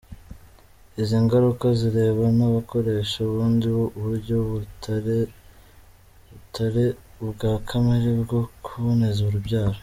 Izi ngaruka zireba n'abakoresha ubundi buryo butare ubwa kamere bwo kuboneza urubyaro.